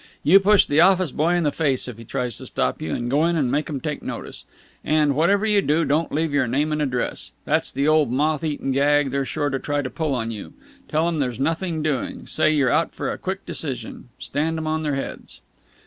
You push the office boy in the face if he tries to stop you, and go in and make 'em take notice. And, whatever you do, don't leave your name and address! That's the old, moth eaten gag they're sure to try to pull on you. Tell 'em there's nothing doing. Say you're out for a quick decision! Stand 'em on their heads!"